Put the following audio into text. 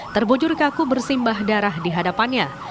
terbujur kaku bersimbah darah di hadapannya